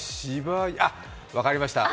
あっ、分かりました。